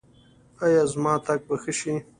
ایا زما تګ به ښه شي؟